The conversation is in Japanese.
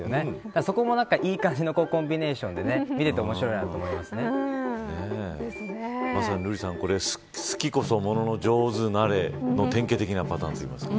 そこも、いい感じのコンビネーションでまさに、瑠麗さん好きこそものの上手なれの典型的なパターンですね。